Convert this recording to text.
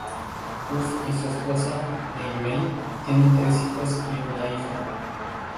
Huff y su esposa, Mei Mei, tienen tres hijos y una hija.